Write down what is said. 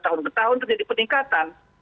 tahun ke tahun itu jadi peningkatan